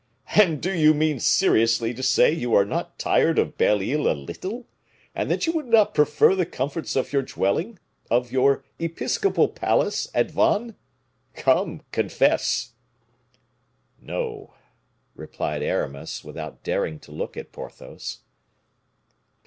"And do you mean seriously to say you are not tired of Belle Isle a little, and that you would not prefer the comforts of your dwelling of your episcopal palace, at Vannes? Come, confess." "No," replied Aramis, without daring to look at Porthos.